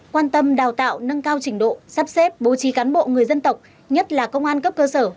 quan tâm đào tạo nâng cao trình độ sắp xếp bố trí cán bộ người dân tộc nhất là công an cấp cơ sở